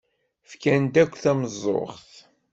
Fkan-d akk tameẓẓuɣt.